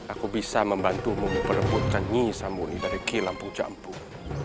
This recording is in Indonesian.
aku bisa membantu memperkebutkan nyisamuni dari ki lampung jampung